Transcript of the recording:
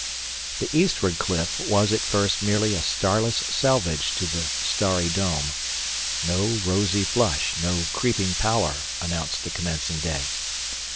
The eastward cliff was at first merely a starless selvedge to the starry dome. No rosy flush, no creeping pallor, announced the commencing day.